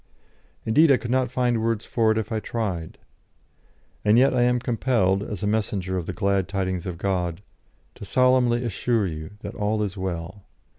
Indeed, I could not find words for it if I tried. And yet I am compelled, as a messenger of the glad tidings of God, to solemnly assure you that all is well.